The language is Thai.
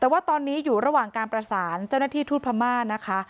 แต่ว่าตอนนี้อยู่ระหว่างการประสานเจ้าหน้าที่ทูตพม่านะคะ